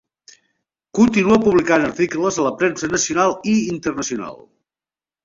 Continua publicant articles a la premsa nacional i internacional.